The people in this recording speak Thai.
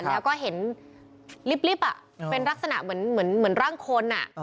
แล้วก็เห็นลิฟต์เป็นลักษณะเหมือนร่างคน